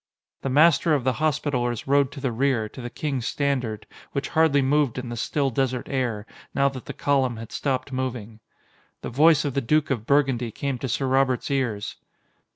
The Master of the Hospitallers rode to the rear, to the King's standard, which hardly moved in the still desert air, now that the column had stopped moving. The voice of the Duke of Burgundy came to Sir Robert's ears.